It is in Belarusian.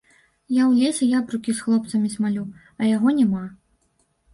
Я ў лесе япрукі з хлопцамі смалю, а яго няма.